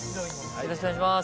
よろしくお願いします。